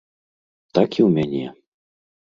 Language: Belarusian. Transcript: Так і ў мяне.